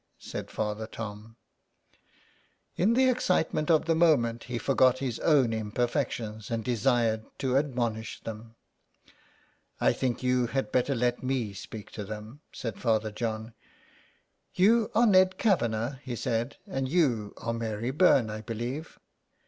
said Father Tom. 64 SOME PARISHIONERS. In the excitement of the moment he forgot his own imperfections and desired to admonish them. '' I think you had better let me speak to them/* said Father John. *' You are Ned Kavanagh," he said, " and you are Mary Byrne, I believe.